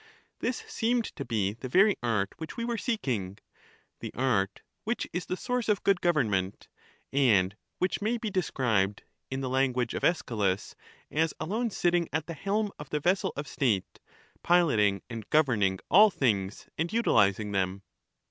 This seemed to be the very art which we were seeking — the art which is the source of good government, and which may be de scribed, in the language of Aeschylus, as alone sitting at the helm of the vessel of state, piloting and govern ing all things, and utilizing them.